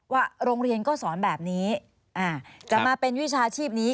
ว่าโรงเรียนก็สอนแบบนี้จะมาเป็นวิชาชีพนี้